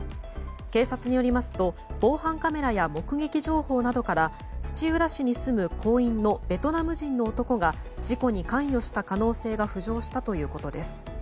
警察によりますと防犯カメラや目撃情報などから土浦市に住む工員のベトナム人の男が事故に関与した可能性が浮上したということです。